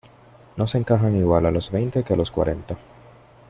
no se encajan igual a los veinte que a los cuarenta.